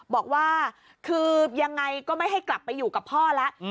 บอกว่าคือยังไงก็ไม่ให้กลับไปอยู่กับพ่อแล้ว